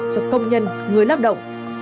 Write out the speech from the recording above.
cho công nhân người lao động